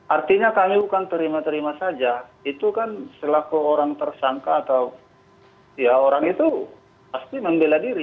artinya kami bukan terima terima saja itu kan selaku orang tersangka atau ya orang itu pasti membela diri